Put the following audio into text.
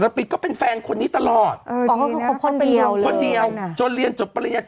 ให้เธอเหรอเขาเรียกว่าอะไรนะ